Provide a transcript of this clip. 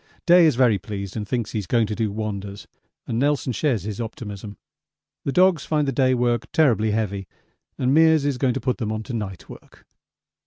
Day is very pleased and thinks he's going to do wonders, and Nelson shares his optimism. The dogs find the day work terribly heavy and Meares is going to put them on to night work.